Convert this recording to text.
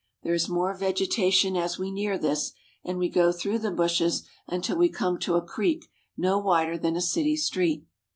There is more vegetation as we near this, and we go through the bushes until we come to a creek no wider than a city street.